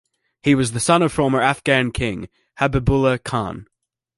He was the son of former Afghan King, Habibullah Khan.